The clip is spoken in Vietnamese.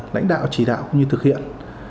lãnh đạo chỉ đạo cũng như thực hiện